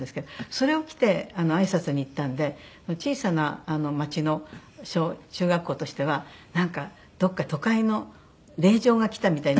それを着てあいさつに行ったんで小さな町の中学校としてはなんかどこか都会の令嬢が来たみたいに。